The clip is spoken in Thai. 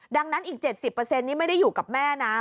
ดังนั้นอีก๗๐นี่ไม่ได้อยู่กับแม่นะ